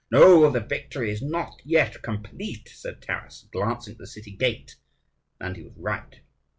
"No, the victory is not yet complete," said Taras, glancing at the city gate; and he was right.